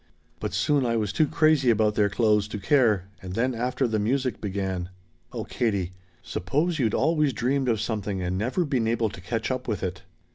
But soon I was too crazy about their clothes to care and then after the music began "Oh, Katie! Suppose you'd always dreamed of something and never been able to catch up with it.